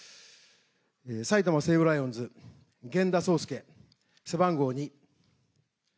埼玉西武ライオンズ・源田壮亮、背番号２。